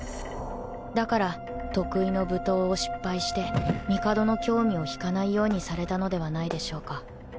だから得意の舞踏を失敗して帝の興味を引かないようにされたのではないでしょうか。